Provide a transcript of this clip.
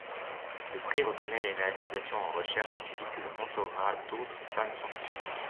Le prix reconnaît les réalisations en recherche ainsi que le mentorat d'autres femmes scientifiques.